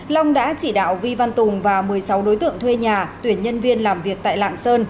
long đã chỉ đạo vi văn tùng và một mươi sáu đối tượng thuê nhà tuyển nhân viên làm việc tại lạng sơn